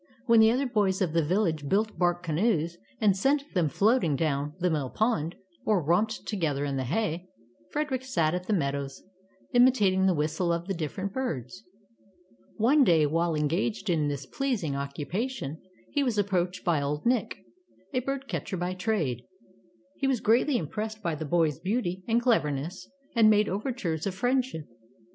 When the other boys of the village built bark canoes, and sent them floating down the mill pond, or romped together in the hay, Frederick sat in the meadows, imitating the whistle of the different birds. One day, while engaged in this pleasing occupation, he was approached by old Nick, a bird catcher by trade. He was greatly impressed by the boy's beauty and cleverness, and made overtures of friend ship.